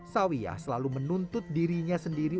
sawiyah selalu menuntut dirinya sendiri